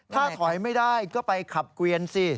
ถ้าถอยไม่ได้ก็ไปขับเกวียนสิ